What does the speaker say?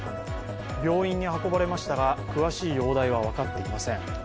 病院に運ばれましたが、詳しい容体は分かっていません。